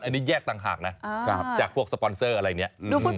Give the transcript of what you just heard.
อันนี้แยกต่างหากนะจากพวกสปอนเซอร์อะไรเนี่ย